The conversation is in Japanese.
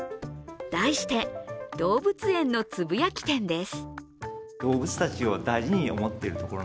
題して「動物園のつぶやき展」です。